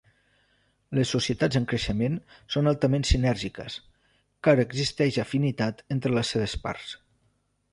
Les societats en creixement són altament sinèrgiques, car existeix afinitat entre les seves parts.